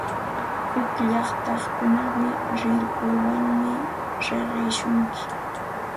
Huk llaqtakunapiqa rirpuwanmi riqsinku.